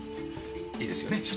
いいですよね？